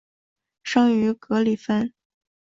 生于格里芬。